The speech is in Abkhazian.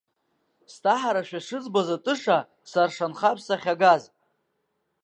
Сҭаҳарашәа шызбалоз атыша, саршанхап сахьагаз.